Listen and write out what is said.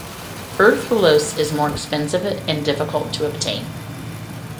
Erythrulose is more expensive, and difficult to obtain.